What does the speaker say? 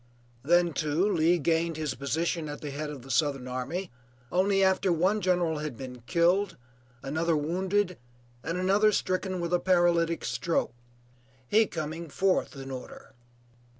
Then, too, Lee gained his position at the head of the Southern army only after one general had been killed, another wounded, and another stricken with a paralytic stroke; he coming fourth in order.